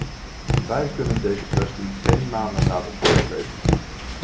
Wij kunnen deze kwestie geen maanden laten voortslepen.